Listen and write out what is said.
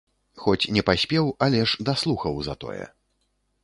Хоць не паспеў, але ж даслухаў затое.